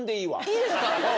今日いいですか？